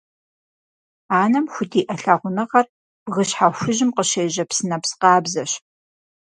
Анэм худиӀэ лъагъуныгъэр бгыщхьэ хужьым къыщежьэ псынэпс къабзэщ.